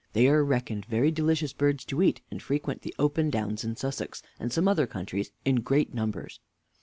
They are reckoned very delicious birds to eat, and frequent the open downs in Sussex, and some other countries, in great numbers.